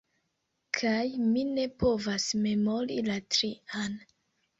Kaj mi ne povas memori la trian!